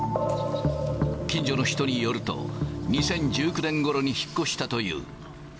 近所の人によると、２０１９年ごろに引っ越したという。